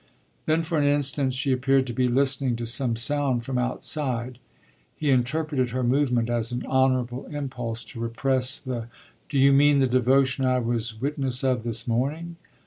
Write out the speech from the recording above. Then for an instant she appeared to be listening to some sound from outside. He interpreted her movement as an honourable impulse to repress the "Do you mean the devotion I was witness of this morning?"